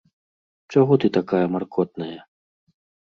Чаго ты такая маркотная?